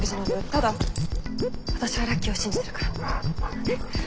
ただ私はラッキーを信じてるから。